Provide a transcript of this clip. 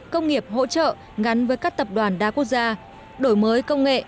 công nghiệp hỗ trợ gắn với các tập đoàn đa quốc gia đổi mới công nghệ